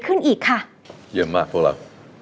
เพื่อนที่ก็สจัดละ